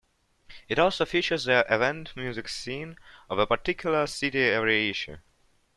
It also features the avant music scene of a particular city every issue.